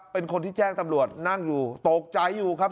เป็นคนที่แจ้งตำรวจนั่งอยู่ตกใจอยู่ครับ